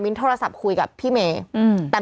พี่ขับรถไปเจอแบบ